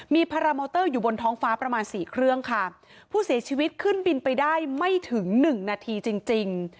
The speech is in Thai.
มีพารามอเตอร์อยู่บนท้องฟ้าประมาณสี่เครื่องค่ะผู้เสียชีวิตขึ้นบินไปได้ไม่ถึงหนึ่งนาทีจริงจริง